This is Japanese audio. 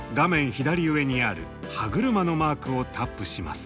左上にある歯車のマークをタップします。